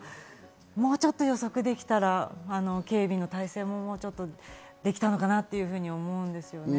もちょっと予測できたら警備の態勢もできたのかなって思うんですよね。